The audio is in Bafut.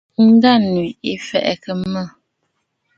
Ǹdânwì ɨ̀ fɛ̀ʼɛ̀kə̀ mə̂.